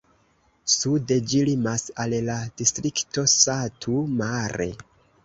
Sude ĝi limas al la distrikto Satu Mare.